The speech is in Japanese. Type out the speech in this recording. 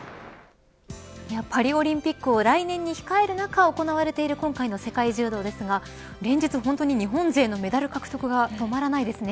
パリオリンピックを来年に控える中、行われている今回の世界柔道ですが連日、本当に日本勢のメダル獲得が止まらないですね。